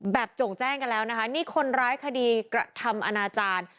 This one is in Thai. โจ่งแจ้งกันแล้วนะคะนี่คนร้ายคดีกระทำอนาจารย์